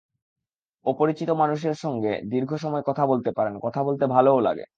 অপরিচিত মানুষদের সঙ্গে দীর্ঘ সময় কথা বলতে পারেন, কথা বলতে ভালোও লাগে।